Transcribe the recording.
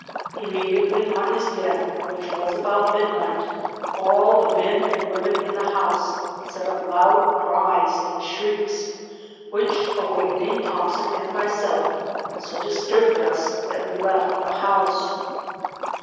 Immediately on his death, which was about midnight, all the men and women in the house set up loud cries and shrieks, which awakening Thompson and myself, so disturbed us that we left the house.